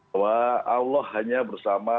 bahwa allah hanya bersama